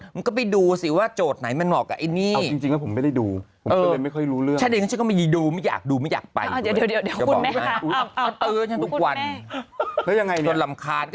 มันก็ไปดูสิว่าโจทย์ไหนมันเหมาะกับไอ้นี่